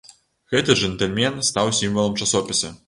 Гэты джэнтльмен стаў сімвалам часопіса.